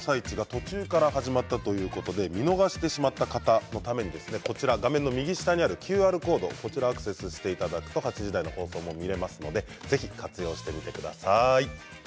途中から始まったということで見逃してしまった方のために画面の右下にあるＱＲコードをアクセスしていただきますと８時台の放送も見られますのでぜひ活用してみてください。